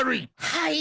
はい。